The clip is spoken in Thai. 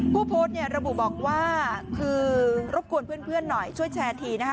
ผู้โพสต์เนี่ยระบุบอกว่าคือรบกวนเพื่อนหน่อยช่วยแชร์ทีนะคะ